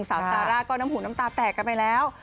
สาวซาร่าก็น้ำหูน้ำตาแตกกันไปแล้ว